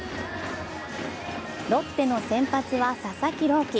ロッテの先発は佐々木朗希。